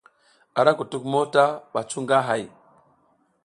A ra kutuk mota ɓa cu nga hay.